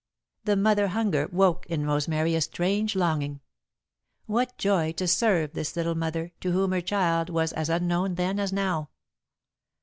The mother hunger woke in Rosemary a strange longing. What joy to serve this little mother, to whom her child was as unknown then as now!